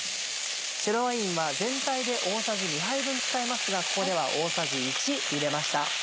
白ワインは全体で大さじ２杯分使いますがここでは大さじ１入れました。